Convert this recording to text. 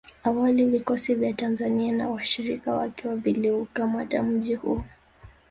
Awali vikosi vya Tanzania na washirika wake viliukamata mji huo